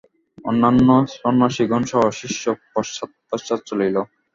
অন্যান্য সন্ন্যাসিগণসহ শিষ্য পশ্চাৎ পশ্চাৎ চলিল।